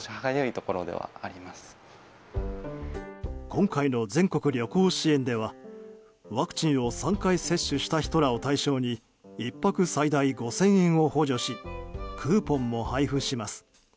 今回の全国旅行支援ではワクチンを３回接種した人らを対象に１泊最大５０００円を補助しクーポンも配布します。